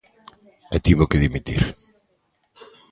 E tivo que dimitir.